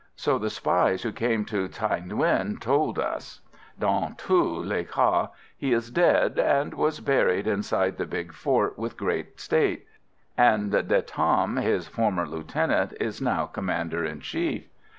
So the spies who came to Thaï Nguyen told us. Dans tous les cas, he is dead, and was buried inside the big fort with great state; and De Tam, his former lieutenant, is now commander in chief."